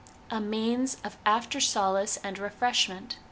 A Means of After Solace and Refreshment.